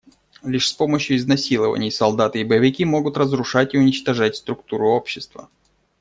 Лишь с помощью изнасилований солдаты и боевики могут разрушать и уничтожать структуру общества.